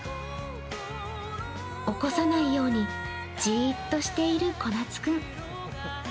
起こさないようにじーっとしているこなつ君。